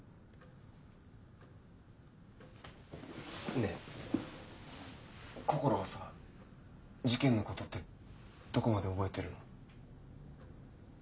ねえこころはさ事件の事ってどこまで覚えてるの？